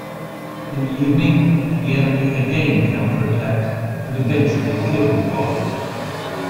In the evening the enemy again counter-attacked and eventually killed Waller.